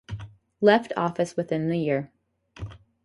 Left office within the year.